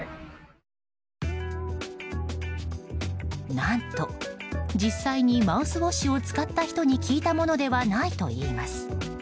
何と、実際にマウスウォッシュを使った人に聞いたものではないといいます。